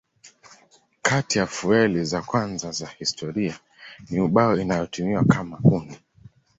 Kati ya fueli za kwanza za historia ni ubao inayotumiwa kama kuni.